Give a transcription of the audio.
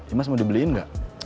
imas mau dibeliin enggak